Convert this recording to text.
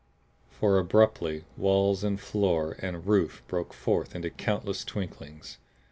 For, abruptly, walls and floor and roof broke forth into countless twinklings!